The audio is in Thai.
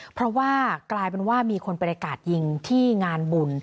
เพราะว่ากลายเป็นว่ามีคนไปกาดยิงที่งานบุญ